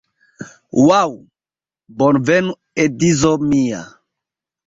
Ŭaŭ! Bonvenon edzo mia